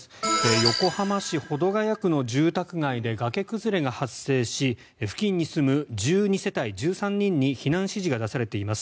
横浜市保土ケ谷区の住宅街で崖崩れが発生し付近に住む１２世帯１３人に避難指示が出されています。